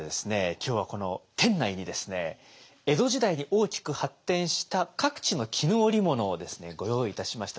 今日はこの店内に江戸時代に大きく発展した各地の絹織物をご用意いたしました。